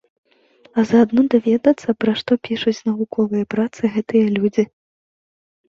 А заадно даведацца, пра што пішуць навуковыя працы гэтыя людзі.